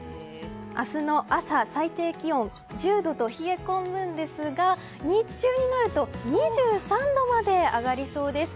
明日の朝、最低気温１０度と冷え込むんですが日中になると２３度まで上がりそうです。